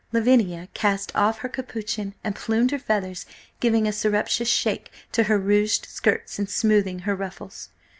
Lavinia cast off her capuchin and plumed her feathers, giving a surreptitious shake to her ruched skirts and smoothing her ruffles.